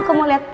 kau mau liat